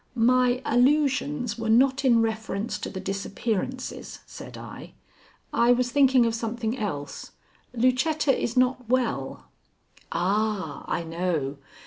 "My allusions were not in reference to the disappearances," said I. "I was thinking of something else. Lucetta is not well." "Ah, I know!